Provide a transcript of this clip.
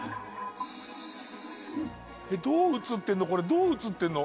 どう写ってんの？